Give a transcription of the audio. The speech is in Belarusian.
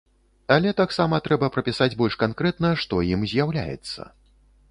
Але таксама трэба прапісаць больш канкрэтна, што ім з'яўляецца.